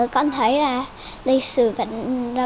con thấy là lịch sử